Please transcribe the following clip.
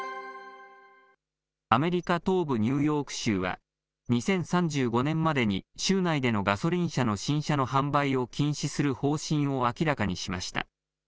アメリカ東部ニューヨーク州は、２０３５年までに州内でのガソリン車の新車の販売を禁止する方針を明らかにしました。